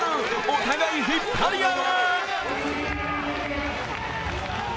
お互い、引っ張り合う。